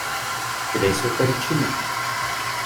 Kde jsou tedy činy?